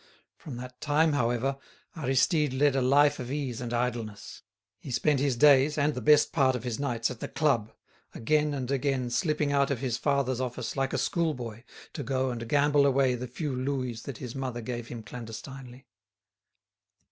From that time, however, Aristide led a life of ease and idleness. He spent his days and the best part of his nights at the club, again and again slipping out of his father's office like a schoolboy to go and gamble away the few louis that his mother gave him clandestinely.